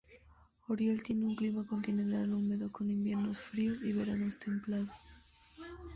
Oriol tiene un clima continental húmedo con inviernos fríos y veranos templados.